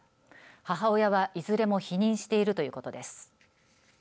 母親はいずれも否認しているということです。